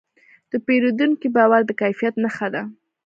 د پیرودونکي باور د کیفیت نښه ده.